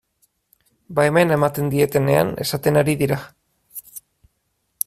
Baimena ematen dietenean esaten ari dira.